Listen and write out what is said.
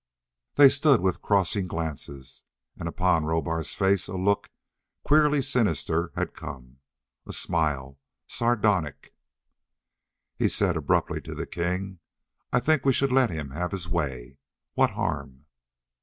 They stood with crossing glances. And upon Rohbar's face a look, queerly sinister, had come. A smile, sardonic. He said abruptly to the king, "I think we should let him have his way. What harm?"